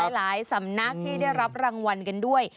หลายสำนักที่ได้รับรางวัลกันด้วย